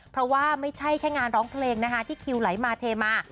เพราะว่าไม่ใช่แค่งานร้องเพลงนะคะที่คิวไหลมาเทมา